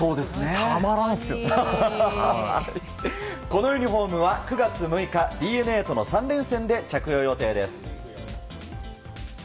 このユニホームは９月６日、ＤｅＮＡとの３連戦で着用予定です。